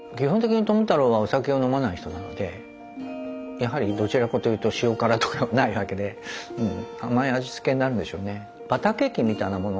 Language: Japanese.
やはりどちらかというと塩辛とかもないわけで甘い味付けになるんでしょうね。